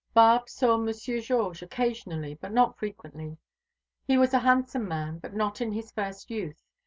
Barbe saw Monsieur Georges occasionally, but not frequently. He was a handsome man, but not in his first youth.